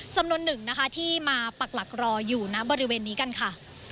จำนวนหนึ่งนะคะที่มาปักหลักรออยู่ณบริเวณนี้กันค่ะ